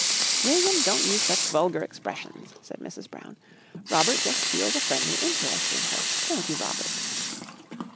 "William, don't use such vulgar expressions," said Mrs. Brown. "Robert just feels a friendly interest in her, don't you, Robert?"